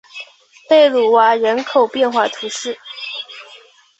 贝卢瓦人口变化图示